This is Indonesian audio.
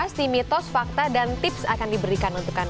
si mitos fakta dan tips akan diberikan untuk anda